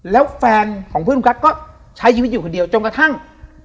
แล้วแฟนของเพื่อนคุณกั๊กก็ใช้ชีวิตอยู่คนเดียวจนกระทั่ง